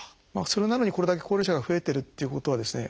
それなのにこれだけ高齢者が増えてるっていうことはですね